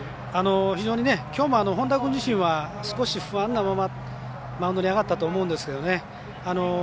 非常にきょうも本田君自身は少し不安なままマウンドに上がったと思うんですけどね。